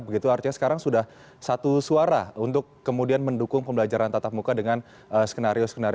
begitu artinya sekarang sudah satu suara untuk kemudian mendukung pembelajaran tatap muka dengan skenario skenario